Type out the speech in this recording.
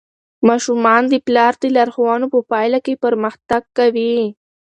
ماشومان د پلار د لارښوونو په پایله کې پرمختګ کوي.